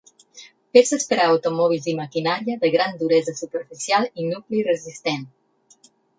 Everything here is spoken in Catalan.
Peces per a automòbils i maquinària de gran duresa superficial i nucli resistent.